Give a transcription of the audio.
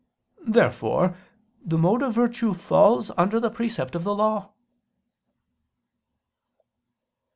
Therefore the mode of virtue falls under the precept of the law.